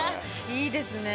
いいですね。